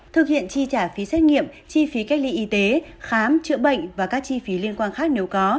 thực hiện chi trả phí xét nghiệm chi phí cách ly y tế khám chữa bệnh và các chi phí liên quan khác nếu có